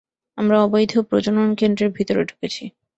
আমরা অবৈধ প্রজনন কেন্দ্রের ভেতরে ঢুকেছি।